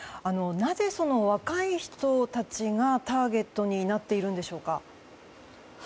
なぜ若い人たちがターゲットになっているんでしょうか。